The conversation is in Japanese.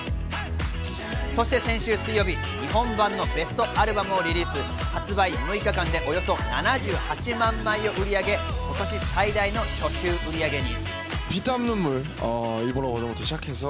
そして先週水曜日に本場のベストアルバムをリリース発売６日間でおよそ７８万枚を売り上げ、今年最大の初週売上に。